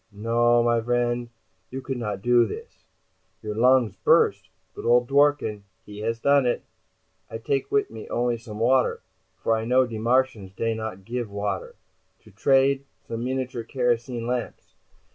No, my vriend, you could not do this. Your lungs burst. But old Dworken, he has done it. "I take wit' me only some water, for I know de Martians dey not give water. To trade, some miniature kerosene lamps.